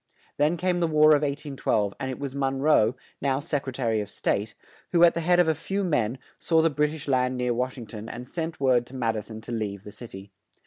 Then came the War of 1812; and it was Mon roe, now Sec re ta ry of State, who, at the head of a few men, saw the Brit ish land near Wash ing ton and sent word to Mad i son to leave the cit y.